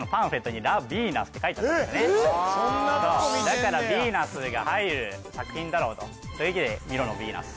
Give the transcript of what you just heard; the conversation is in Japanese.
だからヴィーナスが入る作品だろうとそういうわけでミロのヴィーナス